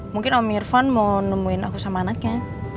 mungkin om irfan mau nemuin aku sama anaknya